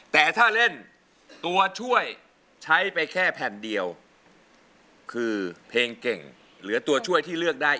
แต่ถ้าเล่นตัวช่วยใช้ไปแค่แผ่นเดียวคือเพลงเก่งเหลือตัวช่วยที่เลือกได้